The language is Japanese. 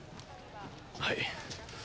はい。